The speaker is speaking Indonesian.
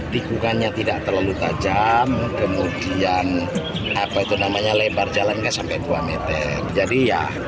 tikungannya tidak terlalu tajam kemudian apa itu namanya lebar jalannya sampai dua meter jadi ya